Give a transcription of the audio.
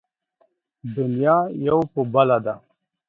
دنيا يو په بله ده.